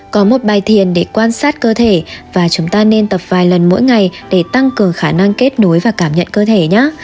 có một bài thiền để quan sát cơ thể và chúng ta nên tập vài lần mỗi ngày để tăng cường khả năng kết nối và cảm nhận cơ thể nhé